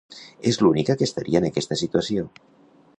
És l'única que estaria en aquesta situació.